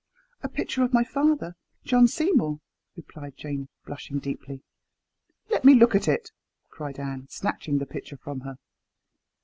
"A picture of my father, Sir John Seymour," replied Jane, blushing deeply. "Let me look at it," cried Anne, snatching the picture from her.